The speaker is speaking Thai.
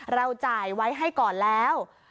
เราจ่ายไว้ให้ก่อนแล้ว